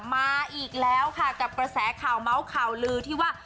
มาอีกแล้วค่ะกับกระแสข่าวเมาส์ข่าวลือที่ว่า